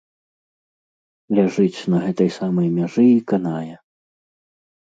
Ляжыць на гэтай самай мяжы і канае.